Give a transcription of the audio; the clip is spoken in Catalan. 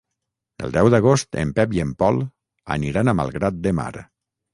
El deu d'agost en Pep i en Pol aniran a Malgrat de Mar.